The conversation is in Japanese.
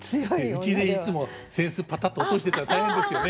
うちでいつも扇子パタッと落としてたら大変ですよね。